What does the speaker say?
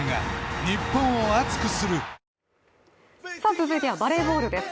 続いてはバレーボールです。